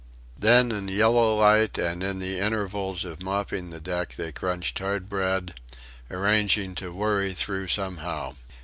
Then in the yellow light and in the intervals of mopping the deck they crunched hard bread, arranging to "worry through somehow."